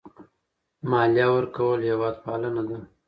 مالیه ورکول هېوادپالنه ده.